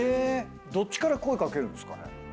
どっちから声掛けるんすかね？